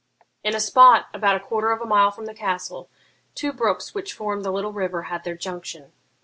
In a spot, about a quarter of a mile from the castle, two brooks, which formed the little river, had their junction.